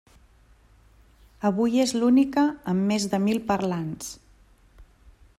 Avui és l'única amb més de mil parlants.